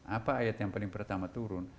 apa ayat yang paling pertama turun